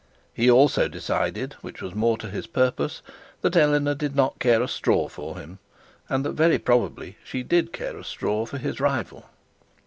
He also decided, which was more to his purpose, that Eleanor did not care a straw for him, and that very probably did not care a straw for his rival.